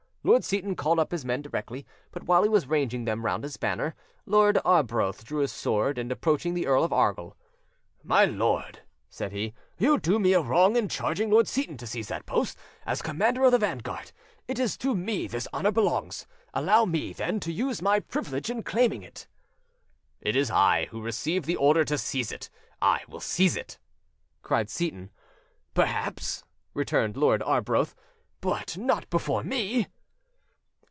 Lord Seyton called up his men directly, but while he was ranging them round his banner, Lord Arbroath drew his sword, and approaching the Earl of Argyll— "My lord," said he, "you do me a wrong in charging Lord Seyton to seize that post: as commander of the vanguard, it is to me this honour belongs. Allow me, then, to use my privilege in claiming it." "It is I who received the order to seize it; I will seize it!" cried Seyton. "Perhaps," returned Lord Arbroath, "but not before me!"